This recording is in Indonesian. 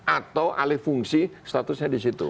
atau alih fungsi statusnya di situ